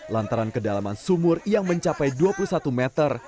lantaran kedalaman sumur yang mencapai dua puluh satu meter